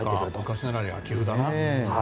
昔なら野球だな。